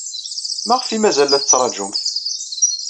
Maɣef ay mazal la tettṛajumt?